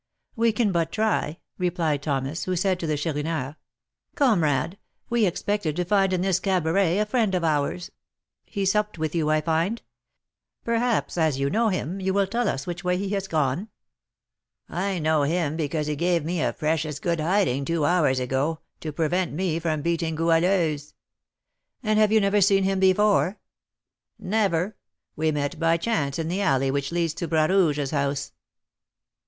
"We can but try," replied Thomas, who said to the Chourineur, "Comrade, we expected to find in this cabaret a friend of ours; he supped with you, I find. Perhaps, as you know him, you will tell us which way he has gone?" "I know him because he gave me a precious good hiding two hours ago, to prevent me from beating Goualeuse." "And have you never seen him before?" "Never; we met by chance in the alley which leads to Bras Rouge's house."